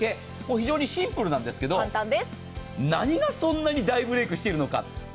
非常にシンプルなんですが何がそんなに大ブレークしているのか。